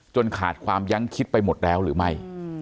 ขาดความยั้งคิดไปหมดแล้วหรือไม่